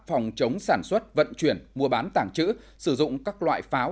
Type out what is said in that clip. phòng chống sản xuất vận chuyển mua bán tàng trữ sử dụng các loại pháo